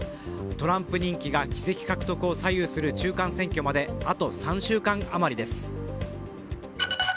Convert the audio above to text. トランプ人気が議席獲得を左右する中間選挙まであと３週間余りです。